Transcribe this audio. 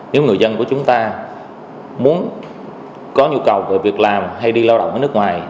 nếu người dân của chúng ta muốn có nhu cầu về việc làm hay đi lao động ở nước ngoài